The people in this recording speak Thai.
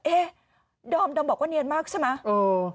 ดอมบอกว่าเนียนมากใช่ไหม